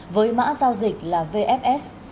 với mã giao dịch là vfs